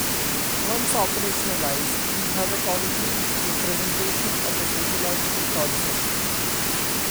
Once operationalized, you have a concrete representation of a sociological concept.